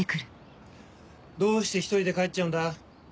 どうして一人で帰っちゃうんだ